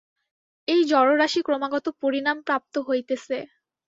এই জড়রাশি ক্রমাগত পরিণামপ্রাপ্ত হইতেছে।